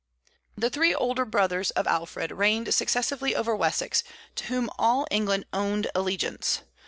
The three elder brothers of Alfred reigned successively over Wessex, to whom all England owned allegiance.